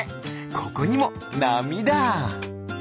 ここにもなみだ！